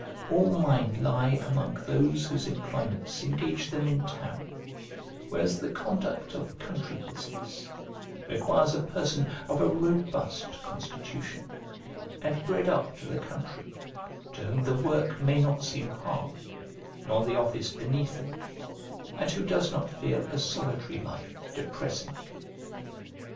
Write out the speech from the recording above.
All mine lie among those whose employments engage them in town; whereas the conduct of country business requires a person of a robust constitution, and bred up to the country, to whom the work may not seem hard, nor the office beneath him, and who does not feel a solitary life depressing.